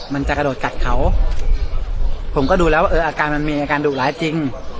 มันจะกระโดดกัดเขาผมก็ดูแล้วว่าเอออาการมันมีอาการดุร้ายจริง